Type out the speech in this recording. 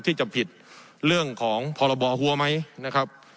ที่จะผิดเรื่องของพรบหัวไหมนะครับ